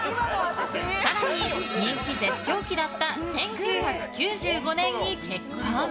更に、人気絶頂期だった１９９５年に結婚。